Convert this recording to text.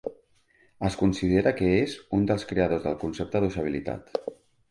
Es considera que és un dels creadors del concepte d'usabilitat.